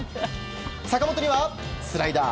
坂本にはスライダー。